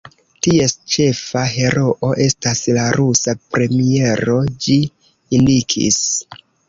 Ties ĉefa heroo estas la rusa premiero," ĝi indikis.